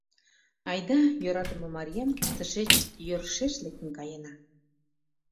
Айда, йӧратыме марием, тышеч йӧршеш лектын каена!